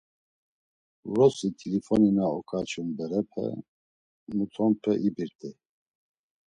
Vrosi t̆ilifoni na oǩaçun berepe mutonpe ibirt̆ey.